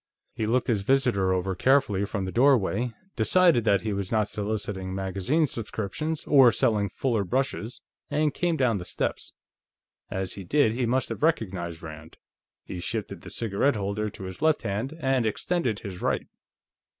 He looked his visitor over carefully from the doorway, decided that he was not soliciting magazine subscriptions or selling Fuller brushes, and came down the steps. As he did, he must have recognized Rand; he shifted the cigarette holder to his left hand and extended his right.